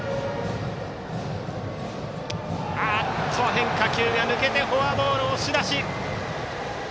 変化球が抜けてフォアボール、押し出し。